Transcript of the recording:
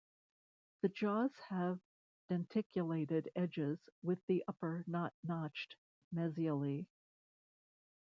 The jaws have denticulated edges with the upper not notched mesially.